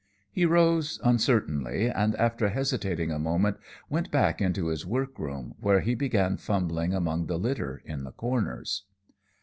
He rose uncertainly, and, after hesitating a moment, went back into his workroom, where he began fumbling among the litter in the corners.